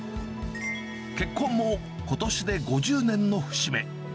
結婚もことしで５０年の節目。